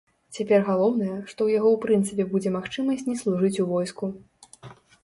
Цяпер галоўнае, што ў яго ў прынцыпе будзе магчымасць не служыць у войску.